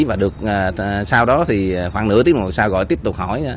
và được sau đó thì khoảng nửa tiếng một sao gọi tiếp tục hỏi